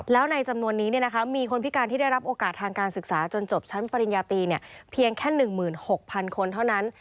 แล้วในจำนวนนี้มีคนพิการที่ได้รับโอกาสทางการศึกษาจนจบชั้นปริญญาตีเพียงแค่๑๖๐๐คนเท่านั้น